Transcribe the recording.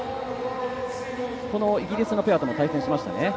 このイギリスのペアとも対戦しましたね。